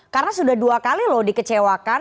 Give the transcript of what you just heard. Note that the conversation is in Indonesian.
karena sudah dua kali loh dikecewakan